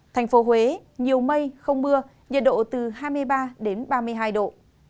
thành phố huế nhiều mây không mưa nhiệt độ từ hai mươi ba đến ba mươi hai độ